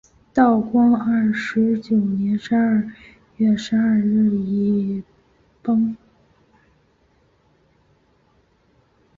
道光二十九年十二月十二日巳时崩。